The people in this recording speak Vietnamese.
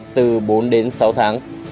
từ bốn sáu tháng